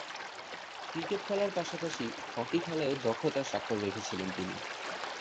Cricket খেলার পাশাপাশি hockey খেলায়ও দক্ষতার স্বাক্ষর রেখেছিলেন তিনি।